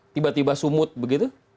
tiba tiba sumut begitu